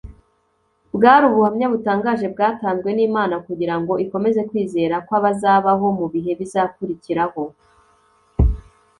bwari ubuhamya butangaje bwatanzwe n’imana kugira ngo ikomeze kwizera kw’abazabaho mu bihe bizakurikiraho